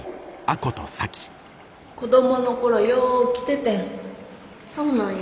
子どもの頃よう来ててん。